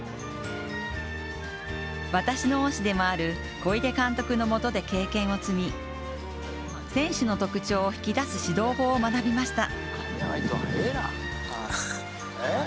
私の恩師でもある小出義雄監督のもとで経験を積み選手の特徴を引き出す指導法を学びました。